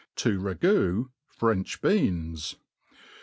To ragoo French Beans.